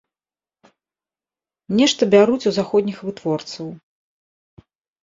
Нешта бяруць у заходніх вытворцаў.